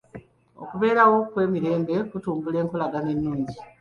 Okubeerawo kw'emirembe kutumbula enkolagana ennungi.